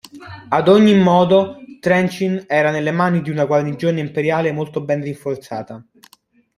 Ad ogni modo, Trenčín era nelle mani di una guarnigione imperiale molto ben rinforzata.